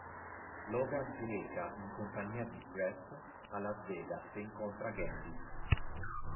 Logan si reca, in compagnia di Wraith, a Las Vegas e incontra Gambit.